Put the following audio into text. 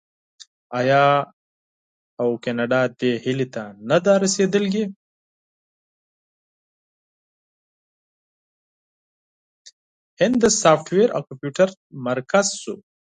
هند د سافټویر او کمپیوټر مرکز شو.